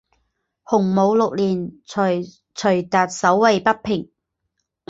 洪武六年随徐达守卫北平。